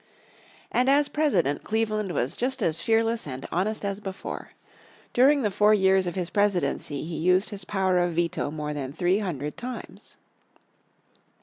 And as President, Cleveland was just as fearless and honest as before. During the four years of his presidency he used his power of veto more than three hundred times.